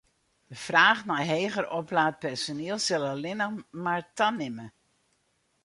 De fraach nei heger oplaat personiel sil allinnich mar tanimme.